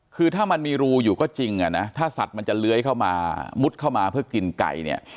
คือถ้ามันมีรูอยู่ก็จริงอ่ะนะถ้าสัตว์มันจะเลื้อยเข้ามามุดเข้ามาเพื่อกินไก่เนี่ย